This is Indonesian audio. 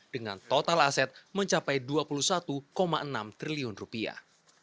dengan total aset mencapai dua puluh satu enam triliun rupiah